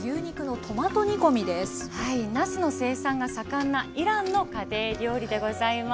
なすの生産が盛んなイランの家庭料理でございます。